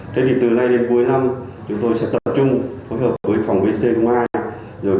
từ nay đến cuối năm chúng tôi sẽ tập trung phối hợp với phòng vệ sinh ngoài